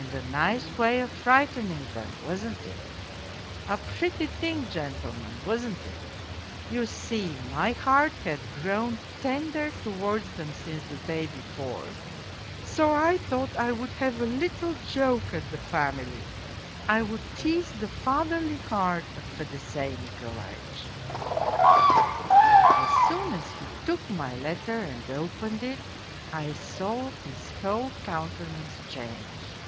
And a nice wayof frighten POLZUNKOV 219 ing them, wasn't it ? A pretty thing, gentlemen, wasn't it ? You see, my heart had grown tender towards them since the day before, so I thought I would have a little joke at the family I would tease the fatherly heart of Fedosey Nikolaitch. " As soon as he took my letter and opened it, I saw his whole countenance change.